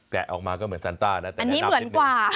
ออกมาก็เหมือนซันต้านะแต่อันนี้เหมือนกว่า